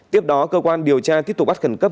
tiếp đó cơ quan điều tra tiếp tục bắt khẩn cấp